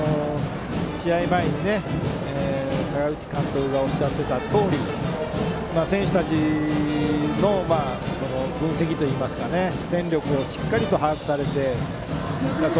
試合前に阪口監督がおっしゃっていたとおり選手たちの分析といいますか戦力をしっかりと把握されていると。